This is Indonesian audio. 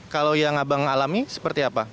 kalau yang abang alami seperti apa